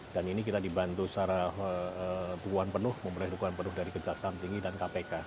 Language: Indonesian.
dan ini kita dibantu secara dukungan penuh memperoleh dukungan penuh dari gedejaksa hamtingi dan kpk